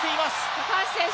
高橋選手